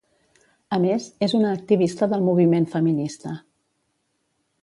A més, és una activista del moviment feminista.